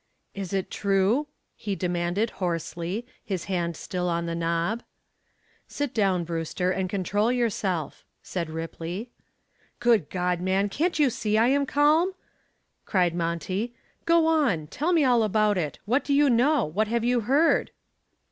"Is it true?" he demanded hoarsely, his hand still on the knob. "Sit down, Brewster, and control yourself," said Ripley. "Good God, man, can't you see I am calm?" cried Monty. "Go on tell me all about it. What do you know? What have you heard?"